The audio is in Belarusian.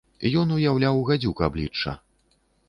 Ён уяўляў гадзюк аблічча.